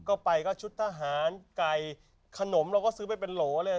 ก็ไปก็ชุดทหารไก่ขนมเราก็ซื้อไปเป็นโหลเลย